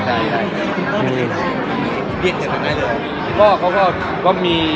พี่น้องเป็นใคร